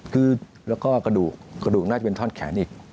แล้วก็กระดูกน่าจะเป็นท่อนแขนอีก